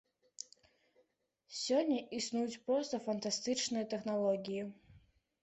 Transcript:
Сёння існуюць проста фантастычныя тэхналогіі.